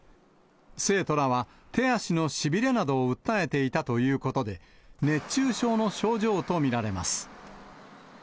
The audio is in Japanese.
生徒らは手足のしびれなどを訴えていたということで、熱中症の症状と見られます。